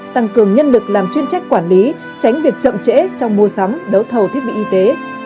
tăng cường nhân lực làm chuyên trách quản lý tránh việc chậm trễ trong mua sắm đấu thầu thiết bị y tế